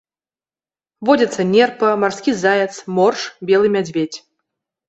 Водзяцца нерпа, марскі заяц, морж, белы мядзведзь.